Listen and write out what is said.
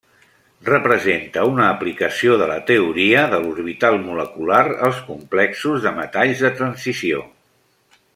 Representa una aplicació de la teoria de l'orbital molecular als complexos de metalls de transició.